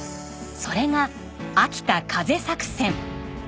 それが「秋田風作戦」。